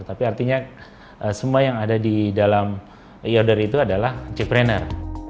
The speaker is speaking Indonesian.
tapi artinya semua yang ada di dalam e order itu adalah jakprender